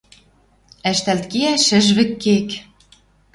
Ӓштӓлт кеӓ шӹжвӹк кек.